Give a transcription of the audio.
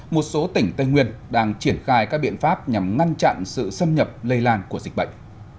một số tỉnh tây nguyên đang triển khai các biện pháp nhằm ngăn chặn sự xâm nhập lây lan của dịch bệnh